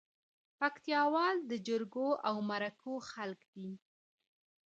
پکتياوال دي جرګو او مرکو خلک دي